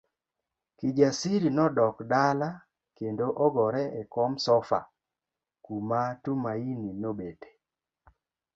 Kijasiri nodok dala kendo ogore e kom sofa kuma Tumaini nobete.